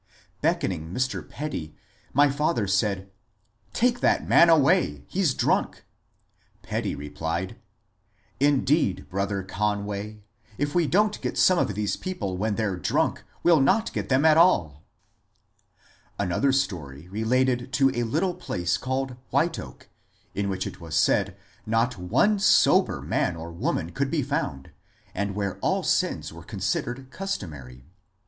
Beckoning Mr. Petty, my father said, ^^ Take that man away, he 's drunk I " Petty replied, " Indeed, brother Conway, if we don't get some of these people when they 're drunk, we 'U not get them at all I " Another story related to a little place called " White Oak," in which it was said not one sober man or woman could be found, and where all sins were considered customary.